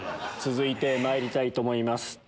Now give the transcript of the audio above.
続いてまいりたいと思います